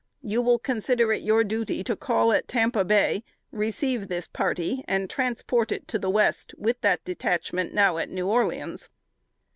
You will consider it your duty to call at Tampa Bay, receive this party, and transport it to the West with the detachment now at New Orleans."